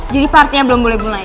jadi partinya belum boleh mulai